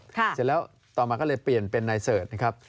เสร็จแล้วต่อมาก็เลยเปลี่ยนเป็นนายเสิร์ชนะครับ